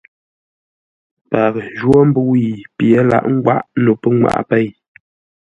Paghʼə jwó mbə́ʉ yi pye laghʼ ngwáʼ no pənŋwaʼa pêi.